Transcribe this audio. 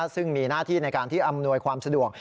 ซึ่งมีหน้าที่ในการที่อำนวยความสะดวก